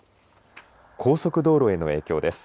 高速道路への影響です。